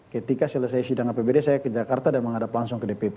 ketika selesai sidang apbd saya ke jakarta dan menghadap langsung ke dpp